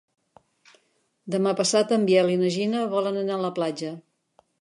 Demà passat en Biel i na Gina volen anar a la platja.